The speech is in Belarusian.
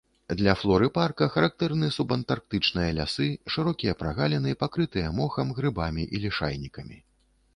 Для флоры парка характэрны субантарктычныя лясы, шырокія прагаліны, пакрытыя мохам, грыбамі і лішайнікамі.